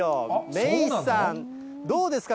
芽生さん、どうですか？